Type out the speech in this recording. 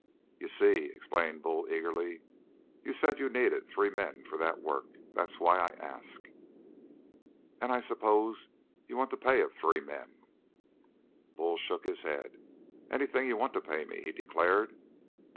"You see," explained Bull eagerly, "you said that you needed three men for that work. That's why I ask." "And I suppose you'd want the pay of three men?" Bull shook his head. "Anything you want to pay me," he declared.